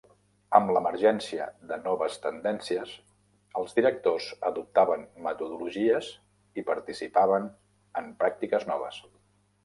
Amb l'emergència de noves tendències els directors adoptaven metodologies i participaven en pràctiques noves.